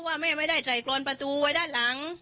ว่าแม่ไม่ได้ใส่กรอนประตูไว้ด้านหลัง